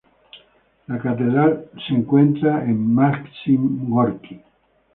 La catedral se encuentra en Maxim Gorki.